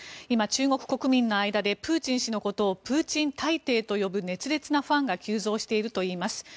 今、中国国民の間でプーチン氏のことをプーチン大帝と呼ぶ熱烈なファンが急増しているといいます。